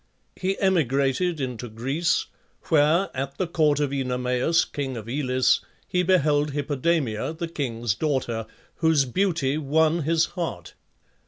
He emigrated into Greece, where, at the court of Oenomaus, king of Elis, he beheld Hippodamia, the king's daughter, whose beauty won his heart.